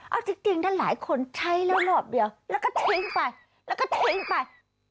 เอาจริงหลายคนใช้รอบเดียวแล้วทิ้งไป